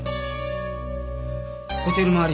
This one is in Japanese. ホテル周り